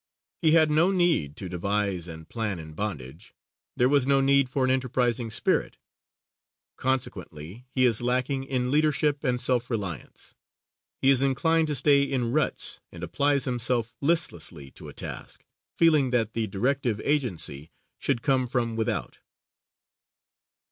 _ He had no need to devise and plan in bondage. There was no need for an enterprising spirit; consequently, he is lacking in leadership and self reliance. He is inclined to stay in ruts, and applies himself listlessly to a task, feeling that the directive agency should come from without.